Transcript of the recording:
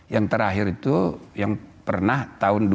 yang terakhir itu yang pernah tahun dua ribu